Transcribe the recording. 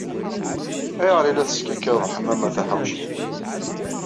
Ayɣer ay la teskikkiḍeḍ Ḥemmama Taḥawcint?